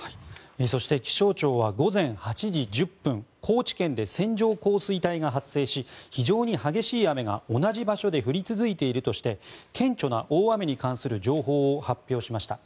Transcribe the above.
そして気象庁は午前８時１０分高知県で線状降水帯が発生し非常に激しい雨が同じ場所で降り続いているとして顕著な大雨に関する情報を発表しました。